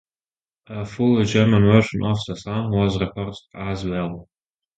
A fully German version of the song was recorded as well.